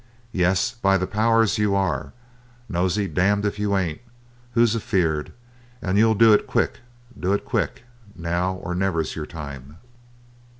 Yes, by the powers, you are, Nosey, damned if you ain't. Who's afeered? And you'll do it quick do it quick. Now or never's your time."